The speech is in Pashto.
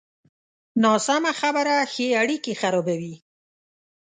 ناسمه خبره ښې اړیکې خرابوي.